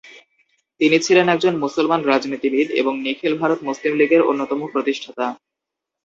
তিনি ছিলেন একজন মুসলমান রাজনীতিবিদ এবং নিখিল ভারত মুসলিম লীগের অন্যতম প্রতিষ্ঠাতা।